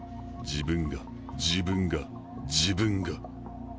「自分が自分が自分が」。